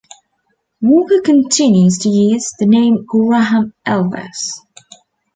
Walker continues to use the name Graham Elvis.